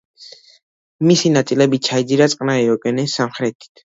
მისი ნაწილები ჩაიძირა წყნარი ოკეანის სამხრეთით.